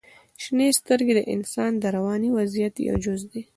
• شنې سترګې د انسان د رواني وضعیت یو جز دی.